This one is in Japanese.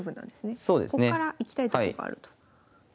こっから行きたいとこがあると。